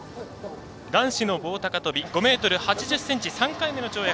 男子の棒高跳び５ｍ８０ｃｍ３回目の跳躍。